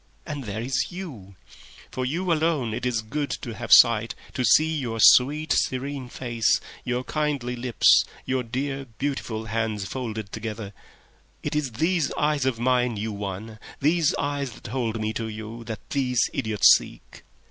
And there is you. For you alone it is good to have sight, to see your sweet, serene face, your kindly lips, your dear, beautiful hands folded together. .... It is these eyes of mine you won, these eyes that hold me to you, that these idiots seek.